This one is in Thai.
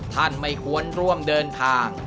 ไม่ควรร่วมเดินทาง